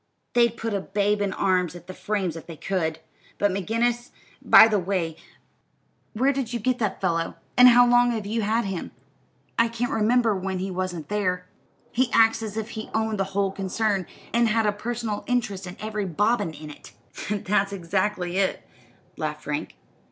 They'd put a babe in arms at the frames if they could. But McGinnis by the way, where did you get that fellow? and how long have you had him? I can't remember when he wasn't here. He acts as if he owned the whole concern, and had a personal interest in every bobbin in it." "That's exactly it," laughed Frank.